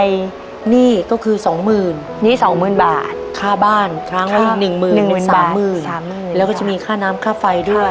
หนี้ก็คือสองหมื่นค่าบ้านครั้งละอีกหนึ่งหมื่นสามหมื่นแล้วก็จะมีค่าน้ำค่าไฟด้วย